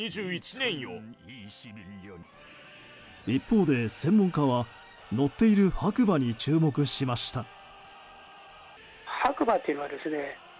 一方で専門家は乗っている白馬に注目しました。